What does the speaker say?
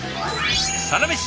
サラメシ